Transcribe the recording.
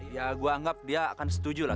ya gue anggap dia akan setuju lah